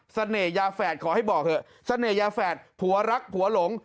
ยาแฝดขอให้บอกเถอะเสน่หยาแฝดผัวรักผัวหลง